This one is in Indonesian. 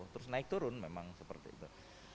terus naik turun memang seperti itu